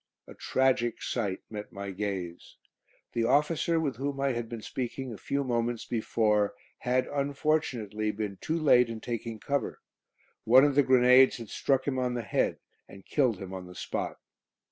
A tragic sight met my gaze. The officer with whom I had been speaking a few moments before had, unfortunately, been too late in taking cover. One of the grenades had struck him on the head, and killed him on the spot.